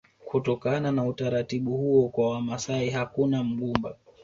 Kutokana na utaratibu huo kwa Wamasai hakuna mgumba